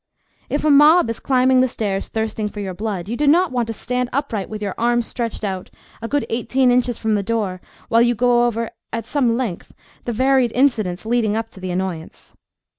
If a mob is climbing the stairs thirsting for your blood, you do not want to stand upright with your arms stretched out, a good eighteen inches from the door, while you go over at some length the varied incidents leading up to the annoyance.